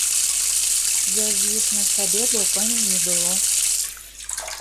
Вёз іх на сабе, бо коней не было.